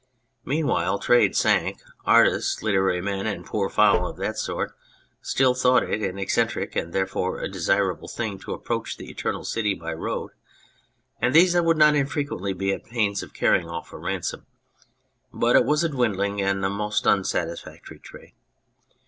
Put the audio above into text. Mean while trade sank : artists, literary men, and poor fowl of that sort still thought it an eccentric and therefore a desirable thing to approach the Eternal City by road, and these I would not infrequently be at the pains of carrying off for ransom ; but it was a dwindling and a most unsatisfactory trade.